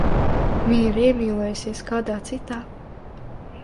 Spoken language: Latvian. Viņa ir iemīlējusies kādā citā.